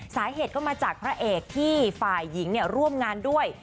สาเหตุก็มาจากพระเอกที่ฝ่ายหญิงร่วมงานด้วย